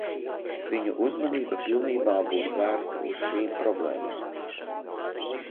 Viņu uzmanība pilnībā būs vērsta uz šīm problēmām.